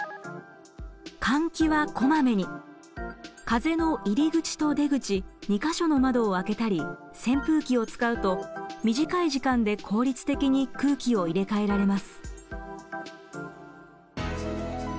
風の入り口と出口２か所の窓を開けたり扇風機を使うと短い時間で効率的に空気を入れ替えられます。